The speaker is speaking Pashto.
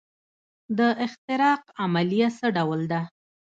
د احتراق عملیه څه ډول ده.